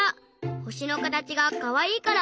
ほしのかたちがかわいいから。